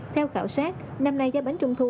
theo khảo sát năm nay giá bánh trung thu